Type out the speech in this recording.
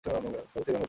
ফল শিমের মতো।